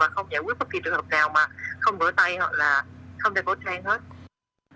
không rửa tay hoặc là không đeo khẩu trang hết